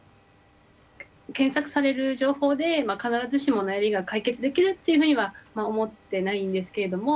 検索される情報で必ずしも悩みが解決できるっていうふうには思ってないんですけれども。